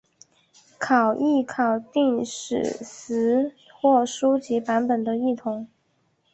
考异考订史实或书籍版本的异同。